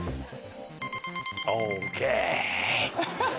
ＯＫ！